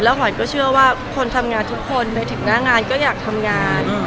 หอยก็เชื่อว่าคนทำงานทุกคนไปถึงหน้างานก็อยากทำงาน